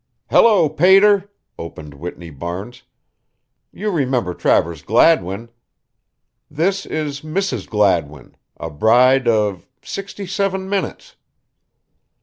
"Hello, Pater," opened Whitney Barnes, "you remember Travers Gladwin. This is Mrs. Gladwin, a bride of sixty seven minutes!"